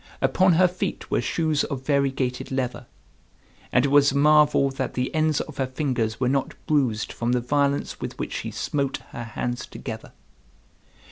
Upon her feet were shoes of variegated leather. And it was a marvel that the ends of her fingers were not bruised from the violence with which she smote her hands together.